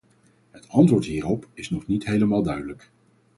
Het antwoord hierop is nog niet helemaal duidelijk.